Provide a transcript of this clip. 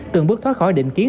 tường bước thoát khỏi định kiến